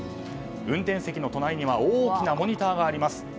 運転席の隣には大きなモニターがあります。